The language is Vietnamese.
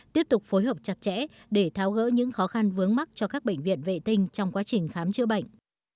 tiếp tục phối hợp chặt chẽ để tháo gỡ những khó khăn vướng mắt cho các bệnh viện vệ tinh trong quá trình khám chữa bệnh